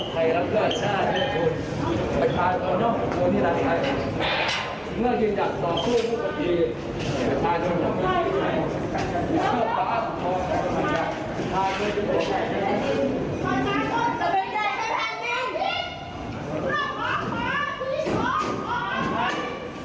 ประชาชนจะเป็นใหญ่ในแผ่นดิน